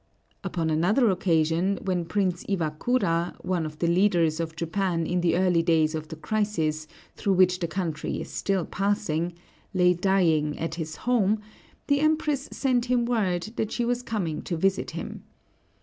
Upon another occasion, when Prince Iwakura, one of the leaders of Japan in the early days of the crisis through which the country is still passing, lay dying at his home, the Empress sent him word that she was coming to visit him.